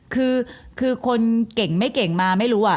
คือคนเก่งไม่เก่งมาไม่รู้